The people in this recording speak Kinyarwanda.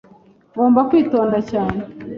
Ngomba kwitonda cyane, .